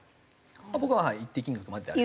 僕は一定金額までであれば。